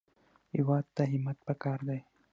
هېواد ته همت پکار دی